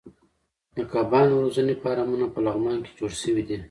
د کبانو روزنې فارمونه په لغمان کې جوړ شوي دي.